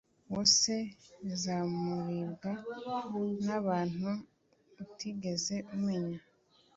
wose bizaribwa n’abantu utigeze umenya